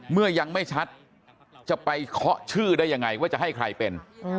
เมื่อยังไม่ชัดจะไปเคาะชื่อได้ยังไงว่าจะให้ใครเป็น